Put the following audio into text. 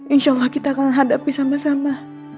insya allah kita akan hadapi sama sama